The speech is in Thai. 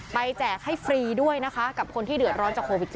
แจกให้ฟรีด้วยนะคะกับคนที่เดือดร้อนจากโควิด๑๙